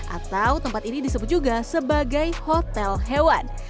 atau tempat ini disebut juga sebagai hotel hewan